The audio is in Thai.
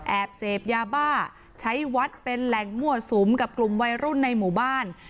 เสพยาบ้าใช้วัดเป็นแหล่งมั่วสุมกับกลุ่มวัยรุ่นในหมู่บ้าน